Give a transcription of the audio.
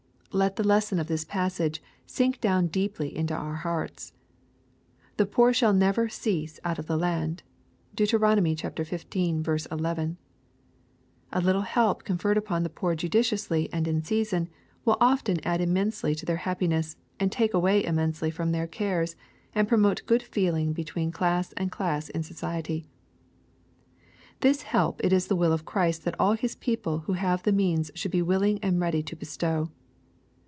Let the lesson of this passage sink down deeply into our hearts. " The poor shall never cease out of the land.*' (Deut. xv. 11.) A little help conferred upon the poor judiciously and in season, will often add im mensely to their happiness, and take away immensely from their cares, and promote good feeling between class and class in society. This help it is the will of Christ that all His people who have the means should be wil ling and ready to bestow.